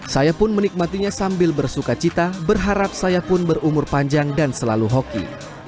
saya pun menikmatinya sambil bersuka cita berharap saya pun berumur panjang dan selalu hoki